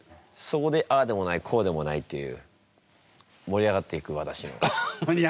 そこでああでもないこうでもないという盛り上がっていく？